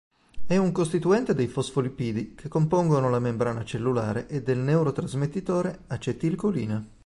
È un costituente dei fosfolipidi che compongono la membrana cellulare e del neurotrasmettitore acetilcolina.